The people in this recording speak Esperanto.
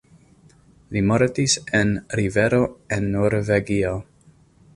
Li mortis en rivero en Norvegio.